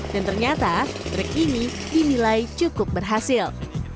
dan ternyata trik ini dinilai cukup berhasil